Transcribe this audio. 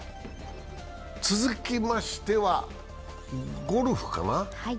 続きましてはゴルフかな。